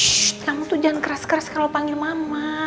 shh kamu tuh jangan keras keras kalau panggil mama